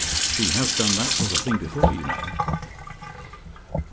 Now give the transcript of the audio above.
She has done that sort of thing before, you know."